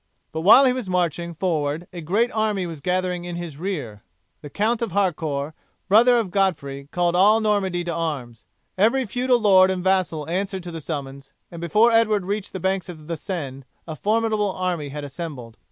But while he was marching forward a great army was gathering in his rear. The Count of Harcourt brother of Godfrey, called all Normandy to arms. Every feudal lord and vassal answered to the summons, and before Edward reached the banks of the Seine a formidable army had assembled.